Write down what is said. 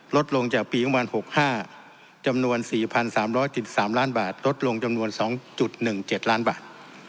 ลดลงจากปี๒๐๖๕จำนวน๔๓๗๓ล้านบาทลดลงจำนวน๒๑๗ล้านบาท